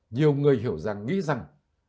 nhiều người hiểu rằng nghĩ rằng